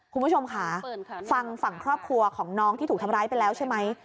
คุณผู้ชมค่ะฟังฝั่งครอบครัวของน้องที่ถูกทำร้ายไปแล้วใช่ไหม